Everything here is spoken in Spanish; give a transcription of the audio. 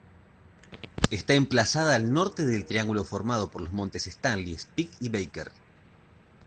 Está emplazada al norte del triángulo formado por los montes Stanley, Speke y Baker.